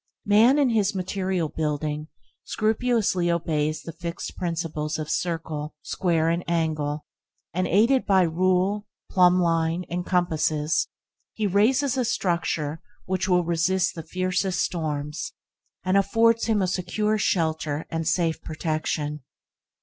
Man in his material building scrupulously obeys the fixed principles of circle, square and angle, and, aided by rule, plumbline, and compasses, he raises a structure which will resist the fiercest storms, and afford him a secure shelter and safe protection.